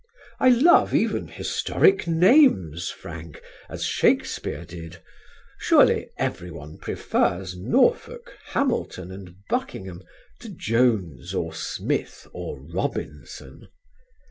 "I love even historic names, Frank, as Shakespeare did. Surely everyone prefers Norfolk, Hamilton and Buckingham to Jones or Smith or Robinson."